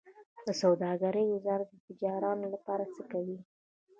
د سوداګرۍ وزارت د تجارانو لپاره څه کوي؟